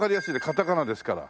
カタカナですから。